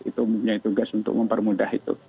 itu mempunyai tugas untuk mempermudah itu